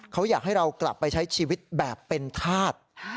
เขาอยากให้เรากลับไปใช้ชีวิตแบบเป็นธาตุ